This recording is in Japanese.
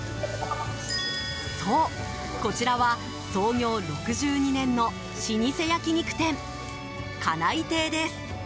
そう、こちらは創業６２年の老舗焼き肉店かない亭です。